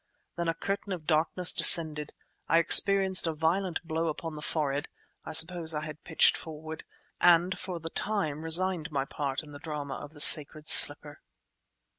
Then a curtain of darkness descended. I experienced a violent blow upon the forehead (I suppose I had pitched forward), and for the time resigned my part in the drama of the sacred slipper.